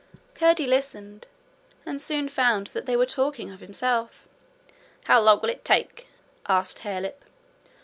Curdie listened, and soon found that they were talking of himself. 'How long will it take?' asked Harelip.